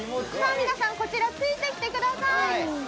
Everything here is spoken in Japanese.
皆さんこちらついてきてください。